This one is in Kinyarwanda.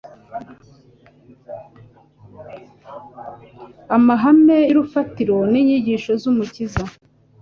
Amahame y'urufatiro n'inyigisho z'Umukiza,